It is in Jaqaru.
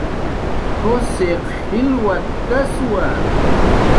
Jushiq jilwatkaswa